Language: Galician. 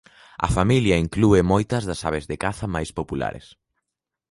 A familia inclúe moitas das aves de caza máis populares.